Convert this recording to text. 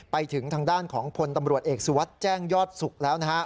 ไปถึงทางด้านของพลตำรวจเอกสุวัสดิ์แจ้งยอดสุขแล้วนะครับ